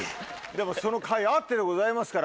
でもそのかいあってでございますから。